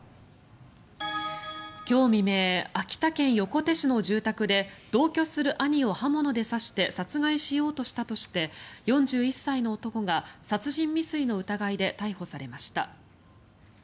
今日未明秋田県横手市の住宅で同居する兄を刃物で刺して殺害しようとしたとして４１歳の男が殺人未遂の疑いで逮捕されました。